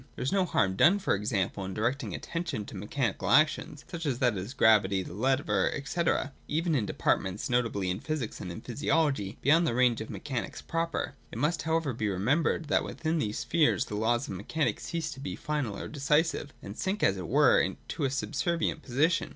There is no harm done, for example, in directing attention to mechanical actions, such as that of gravity, the lever, &c., even in de partments, notably in physics and in physiology, beyond the range of mechanics proper. It must however be remembered, that within these spheres the laws of mechanism cease to be final or decisive, and sink, as it were, to a subservient position.